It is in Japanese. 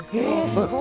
すごい。